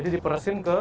jadi diperasin ke